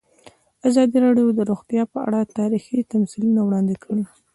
ازادي راډیو د روغتیا په اړه تاریخي تمثیلونه وړاندې کړي.